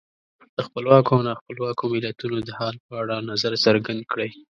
د خپلواکو او نا خپلواکو ملتونو د حال په اړه نظر څرګند کړئ.